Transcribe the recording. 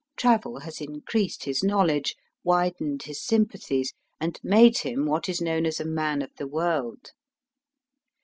Travel has increased his knowledge, widened his sympathies, and made him what is known as a man of the world.